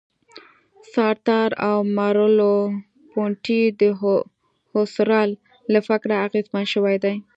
سارتر او مرلوپونتې د هوسرل له فکره اغېزمن شوي دي.